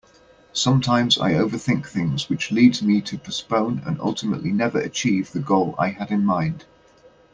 Sometimes I overthink things which leads me to postpone and ultimately never achieve the goal I had in mind.